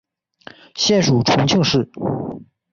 现属重庆市。